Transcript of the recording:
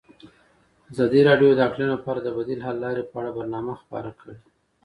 ازادي راډیو د اقلیم لپاره د بدیل حل لارې په اړه برنامه خپاره کړې.